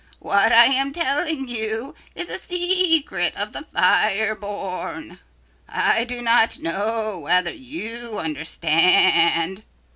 What I am telling you is a secret of the fire born. I do not know whether you understand.